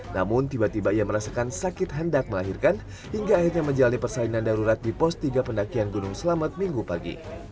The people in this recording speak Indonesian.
namun tiba tiba ia merasakan sakit hendak melahirkan hingga akhirnya menjalani persalinan darurat di pos tiga pendakian gunung selamet minggu pagi